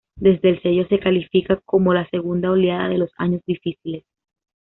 Desde el sello se califica como la segunda oleada de "Los Años Difíciles".